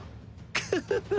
クフフフ！